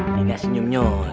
nih ga senyumnya